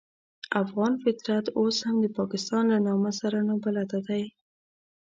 افغان فطرت اوس هم د پاکستان له نامه سره نابلده دی.